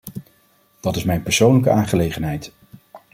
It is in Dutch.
Dat is mijn persoonlijke aangelegenheid.